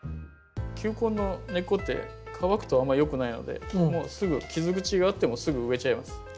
球根の根っこって乾くとあんまりよくないのでもうすぐ傷口があってもすぐ植えちゃいます。